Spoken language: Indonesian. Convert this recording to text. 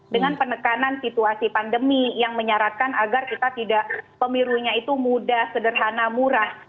dengan penekanan situasi pandemi yang menyaratkan agar kita tidak pemilunya itu mudah sederhana murah